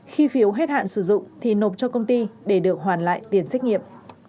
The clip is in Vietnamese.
khi phiếu hết hạn sử dụng thì nộp cho công ty để được hoàn lại tiền xét nghiệm